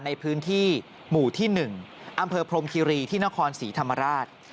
ในพื้นที่หมู่ที่๑อำเภอพรมคิรีที่นครศรีธรรมราช